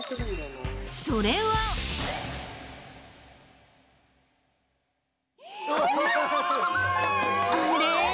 それは。あれ？